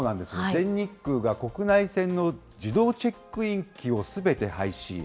全日空が国内線の自動チェックイン機をすべて廃止。